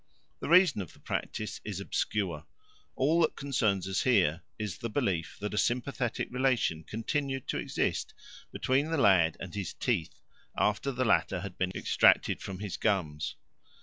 The reason of the practice is obscure; all that concerns us here is the belief that a sympathetic relation continued to exist between the lad and his teeth after the latter had been extracted from his gums.